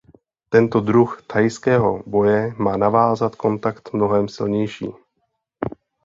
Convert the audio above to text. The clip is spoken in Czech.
Tento druh thajského boje má navázat kontakt mnohem silnější.